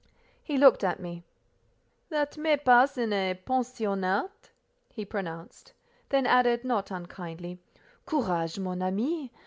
He looked at me. "That may pass in a pensionnat," he pronounced. Then added, not unkindly, "Courage, mon ami!